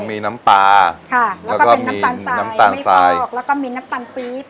มีน้ำปลาค่ะแล้วก็มีน้ำตาลสายแล้วก็มีน้ำตาลปรี๊บ